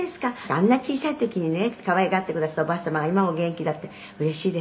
「あんな小さい時にね可愛がってくだすったおばあ様が今もお元気だってうれしいですよね」